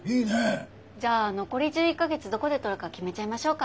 じゃあ残り１１か月どこで撮るか決めちゃいましょうか。